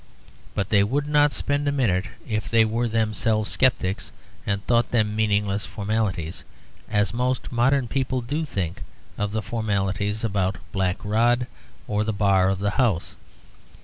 But they would not spend a minute if they were themselves sceptics and thought them meaningless formalities, as most modern people do think of the formalities about Black Rod or the Bar of the House.